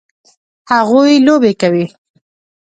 هغوی لوبې کوي